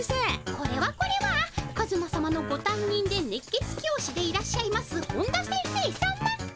これはこれはカズマさまのごたんにんで熱血教師でいらっしゃいます本田先生さま。